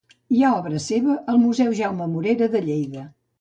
Hi ha obra seva al Museu Jaume Morera de Lleida.